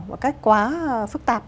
một cách quá phức tạp